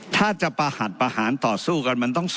ถ้าจะประหัสประหารต่อสู้กัน